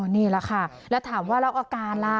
นี่แหละค่ะแล้วถามว่าแล้วอาการล่ะ